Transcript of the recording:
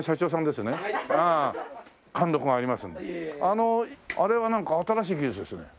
あれはなんか新しい技術ですよね？